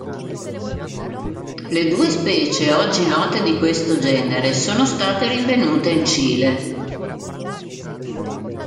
Le due specie oggi note di questo genere sono state rinvenute in Cile.